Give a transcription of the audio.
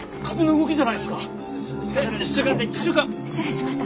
失礼しました。